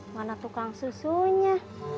mana tukang susunya